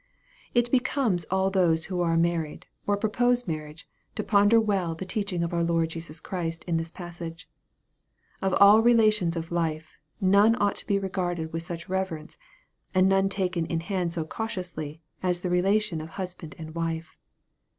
It becomes all those who are married, or purpose mar riage, to ponder well the teaching of our Lord Jesus Christ in this passage. Of all relations of life, none ought to be regarded with such reverence, and none taken in hand so cautiously as the relation of husband and wife.